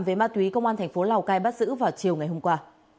về ma túy công an thành phố lào cai bắt giữ vào chiều ngày hôm qua